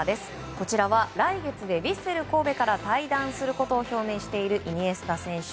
こちらは来月でヴィッセル神戸から退団することを表明しているイニエスタ選手。